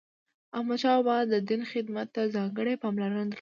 احمدشاه بابا د دین خدمت ته ځانګړی پاملرنه درلوده.